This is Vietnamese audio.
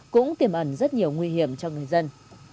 cũng tiềm ẩn rất nhiều nguy hiểm cho người dân